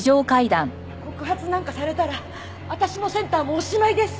告発なんかされたら私もセンターもおしまいです。